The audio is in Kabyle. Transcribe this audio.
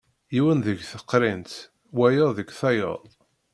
Yiwen deg teqrint, wayeḍ deg tayeḍ.